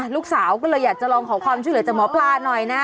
ลูกสาวก็เลยอยากจะลองขอความช่วยเหลือจากหมอปลาหน่อยนะ